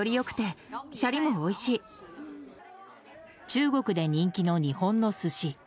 中国で人気の日本の寿司。